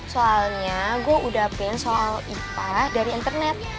soalnya gua udah pen soal ibarat dari internet